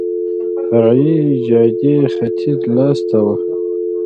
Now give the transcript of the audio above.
فرعي جادې ختیځ لاس ته وه.